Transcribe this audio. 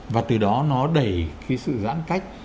và từ đó nó đẩy cái sự giãn cách